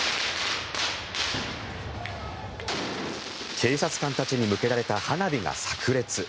警察官たちに向けられた花火がさく裂。